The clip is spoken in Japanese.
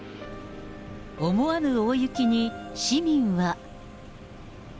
思わぬ大雪に、市民は。